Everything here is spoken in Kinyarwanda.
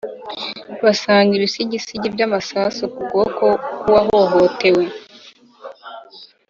basanze ibisigisigi by'amasasu ku kuboko kw'uwahohotewe.